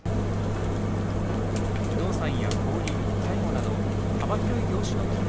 不動産や小売り、介護など、幅広い業種の企業